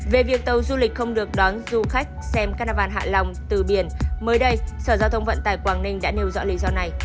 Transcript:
về việc tàu du lịch không được đón du khách xem các na van hạ long từ biển mới đây sở giao thông vận tải quảng ninh đã nêu dõi lý do này